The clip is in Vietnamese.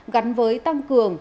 gắn với tăng cường